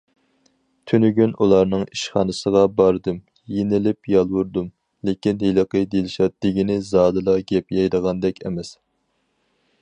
تۈنۈگۈن ئۇلارنىڭ ئىشخانىسىغا باردىم، يېلىنىپ- يالۋۇردۇم، لېكىن ھېلىقى دىلشات دېگىنى زادىلا گەپ يەيدىغاندەك ئەمەس.